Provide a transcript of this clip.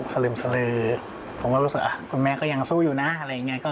สลึมสลือผมก็รู้สึกคุณแม่ก็ยังสู้อยู่นะอะไรอย่างนี้